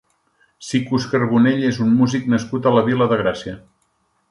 Sicus Carbonell és un músic nascut a la Vila de Gràcia.